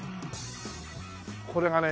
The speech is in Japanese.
これがね